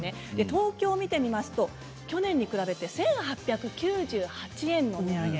東京を見ると去年に比べて１８９８円の値上げ。